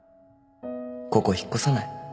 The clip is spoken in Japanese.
ここ引っ越さない？